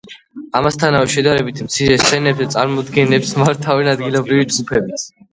ამასთანავე, შედარებით მცირე სცენებზე წარმოდგენებს მართავენ ადგილობრივი ჯგუფებიც.